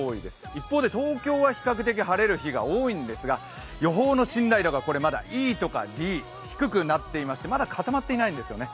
一方で東京は比較的晴れる日が多いんですが予報の信頼度がまだＥとかＤ低くなっていましてまだ固まっていないんですよね。